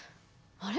あれ？